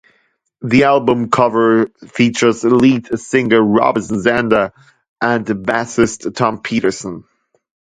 The album cover features lead singer Robin Zander and bassist Tom Petersson.